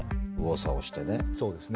そうですね。